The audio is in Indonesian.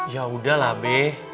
ya udah lah be